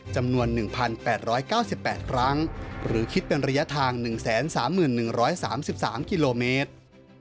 จำนวน๑๘๙๘ครั้งหรือคิดเป็นระยะทาง๑๓๑๓๓กิโลเมตร